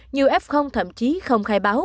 nhiều f thậm chí không khai báo